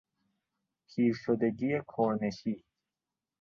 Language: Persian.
پیرشدگی کرنشی